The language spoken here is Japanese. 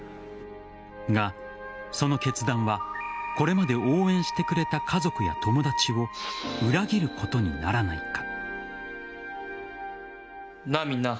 が、その決断はこれまで応援してくれた家族や友達を裏切ることにならないか。